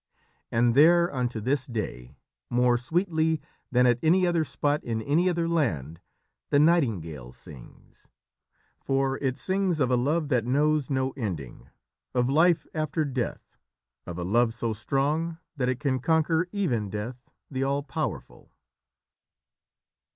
And there, unto this day, more sweetly than at any other spot in any other land, the nightingale sings. For it sings of a love that knows no ending, of life after death, of a love so strong that it can conquer even Death, the all powerful.